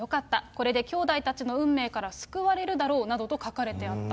これできょうだいたちの運命から救われるだろうなどと書かれてあった。